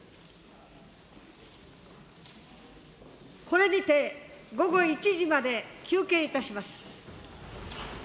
これにて午後１時まで休憩いたします。